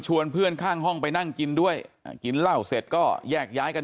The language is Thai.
เพื่อนข้างห้องไปนั่งกินด้วยกินเหล้าเสร็จก็แยกย้ายกัน